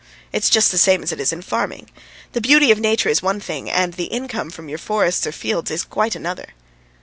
It's just the same as it is in farming. The beauty of nature is one thing and the income from your forests or fields is quite another."